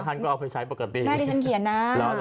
ท่านก็เอาไปใช้ปกติใช่ที่ฉันเขียนนะ